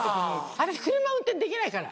私車運転できないから。